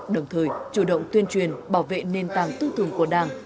đồng thời chủ động tuyên truyền bảo vệ nền tảng tư tưởng của đảng